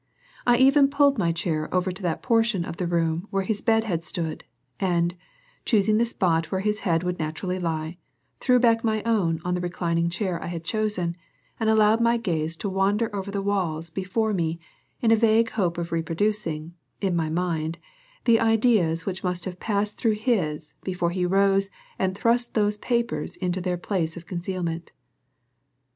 I even pulled my chair over to that portion of the room where his bed had stood, and, choosing the spot where his head would naturally lie, threw back my own on the reclining chair I had chosen, and allowed my gaze to wander over the walls before me in a vague hope of reproducing, in my mind, the ideas which must have passed through his before he rose and thrust those papers into their place of concealment.